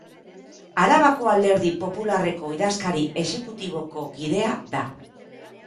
Arabako Alderdi Popularreko idazkari exekutiboko kidea da.